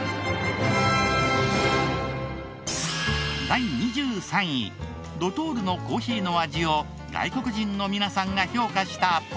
第２３位ドトールのコーヒーの味を外国人の皆さんが評価したポイントは？